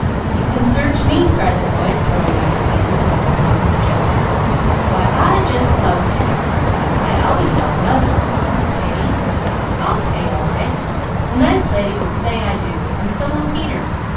"You can search me!" cried the boy, throwing out his hands in his familiar gesture. "Why I just love to! I always helped mother! Pay? I'll pay all right; the nice lady will say I do, and so will Peter.